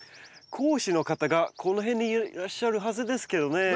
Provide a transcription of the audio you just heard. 講師の方がこの辺にいらっしゃるはずですけどね。